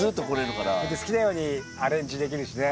好きなようにアレンジできるしね。